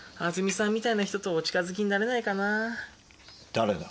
誰だ？